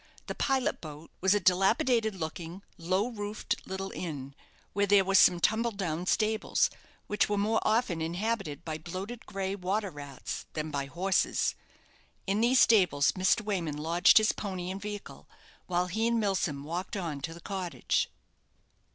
The "Pilot Boat" was a dilapidated looking, low roofed little inn, where there were some tumble down stables, which were more often inhabited by bloated grey water rats than by horses. In these stables Mr. Wayman lodged his pony and vehicle, while he and Milsom walked on to the cottage.